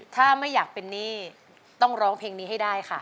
ถ้าไม่อยากเป็นหนี้ต้องร้องเพลงนี้ให้ได้ค่ะ